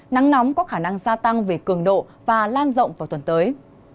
nắng nóng có khả năng gia tăng về cường độ và lan rộng vào tuần tới